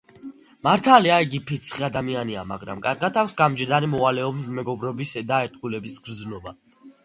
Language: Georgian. მართალია იგი ფიცხი ადამიანია, მაგრამ კარგად აქვს გამჯდარი მოვალეობის, მეგობრობის და ერთგულების გრძნობა.